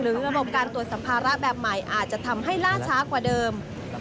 ระบบการตรวจสัมภาระแบบใหม่อาจจะทำให้ล่าช้ากว่าเดิม